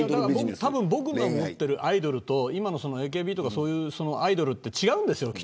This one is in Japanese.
僕が思っているアイドルと今のＡＫＢとかのアイドルって違うんですよ。